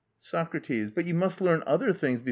SOCRATES. But you must first learn other things.